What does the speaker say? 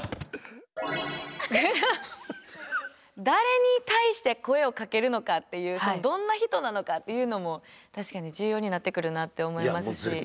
誰に対して声をかけるのかっていうどんな人なのかっていうのも確かに重要になってくるなって思いますし。